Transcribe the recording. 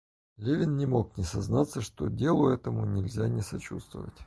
Левин не мог не сознаться, что делу этому нельзя не сочувствовать.